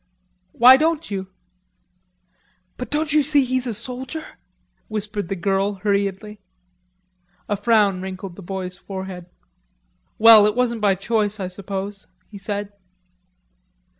"Why don't you?" "But don't you see he's a soldier," whispered the girl hurriedly. A frown wrinkled the boy's forehead. "Well, it wasn't by choice, I suppose," he said.